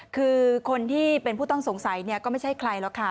คือคนที่เป็นผู้ต้องสงสัยก็ไม่ใช่ใครหรอกค่ะ